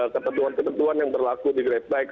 ketentuan ketentuan yang berlaku di grepek